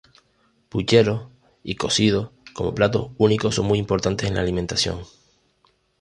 Pucheros y cocidos como platos únicos son muy importantes en la alimentación.